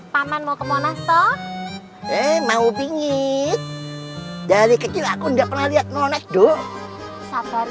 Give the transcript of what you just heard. paman mau ke monas toh eh mau bingit dari kecil aku ndak pernah lihat nonet doh sabar